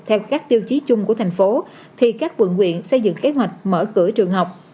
theo các tiêu chí chung của thành phố thì các quận quyện xây dựng kế hoạch mở cửa trường học